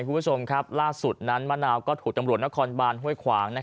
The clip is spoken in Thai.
คุณผู้ชมครับล่าสุดนั้นมะนาวก็ถูกตำรวจนครบานห้วยขวาง